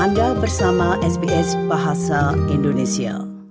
anda bersama sbs bahasa indonesia